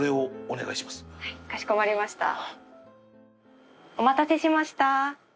お待たせしました。